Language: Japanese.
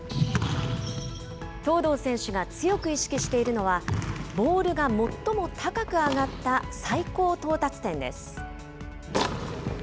東藤選手が強く意識しているのは、ボールが最も高く上がった最高到達点です。